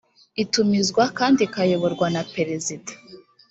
itumizwa kandi ikayoborwa na perezida